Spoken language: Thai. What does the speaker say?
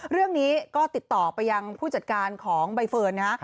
เรื่องนี้ก็ติดต่อไปยังผู้จัดการของใบเฟิร์นนะฮะ